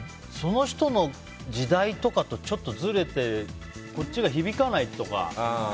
その人の時代とかとちょっとずれてこっちが響かないとか。